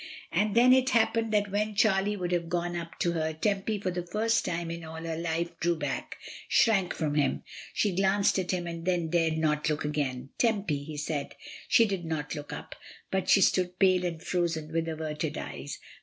And then it happened that when Charlie would have gone up to her, Tempy for the first time in all her life drew back, shrank from him; she glanced at him, and then dared not look again, "Tempy!" he said. She did not look up, but she stood pale and' frozen, with averted eyes.